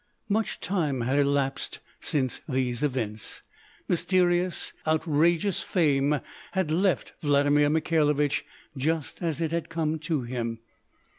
Much time had elapsed since these events. Mysterious, outrageous fame had left Vladimir Mikhailovich just as it had come to him.